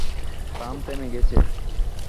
Pump থেমে গেছে!